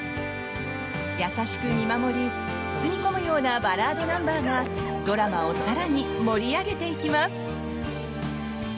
優しく見守り、包み込むようなバラードナンバーがドラマを更に盛り上げていきます。